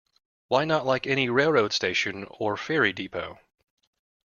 Why not like any railroad station or ferry depot.